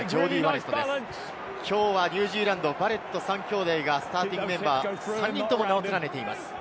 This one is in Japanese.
きょうはニュージーランドはバレット３兄弟がスターティングメンバー３人とも名を連ねています。